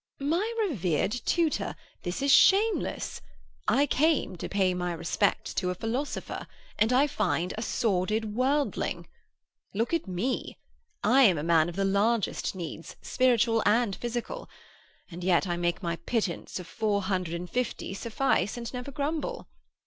"My revered tutor, this is shameless. I came to pay my respects to a philosopher, and I find a sordid worldling. Look at me! I am a man of the largest needs, spiritual and physical, yet I make my pittance of four hundred and fifty suffice, and never grumble.